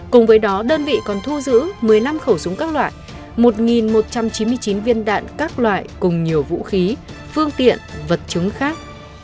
cùng với đó đơn vị còn thu giữ một mươi năm khẩu súng các loại một một trăm chín mươi chín viên đạn các loại cùng nhiều vũ khí phương tiện vật chứng khác